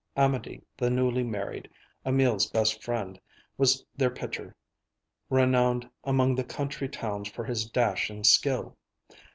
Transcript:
Amédée, the newly married, Emil's best friend, was their pitcher, renowned among the country towns for his dash and skill.